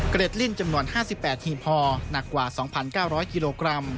เกล็ดลิ้นจำนวน๕๘หีบฮอล์หนักกว่า๒๙๐๐กิโลกรัม